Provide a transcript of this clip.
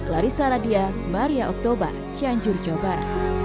larissa radia maria oktober cianjur jobar